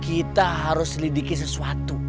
kita harus lidiki sesuatu